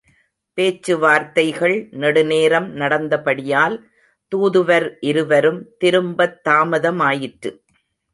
பேச்சு வார்த்தைகள் நெடுநேரம் நடந்தபடியால், தூதுவர் இருவரும் திரும்பத் தாமதமாயிற்று.